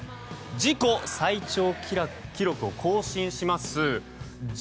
自己最長記録を更新します